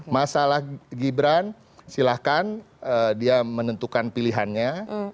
masalah gibran silahkan dia menentukan pilihannya